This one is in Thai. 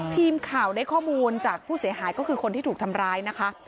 ทีมข่าวได้ข้อมูลจากผู้เสียหายก็คือคนที่ถูกทำร้ายนะคะ